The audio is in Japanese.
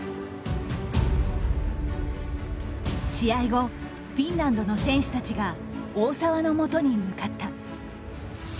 試合後フィンランドの選手たちが大澤のもとに向かった。